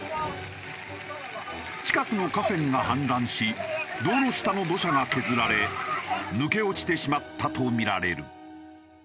近くの河川が氾濫し道路下の土砂が削られ抜け落ちてしまったとみられる。